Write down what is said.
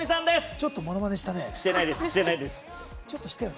ちょっとものまねしたね。